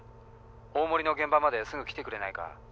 大森の現場まですぐ来てくれないか？